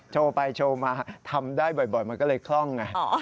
โชว์ไปโชว์มาทำได้บ่อยมันก็เลยคล่องไง